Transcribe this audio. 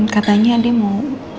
katanya dia mau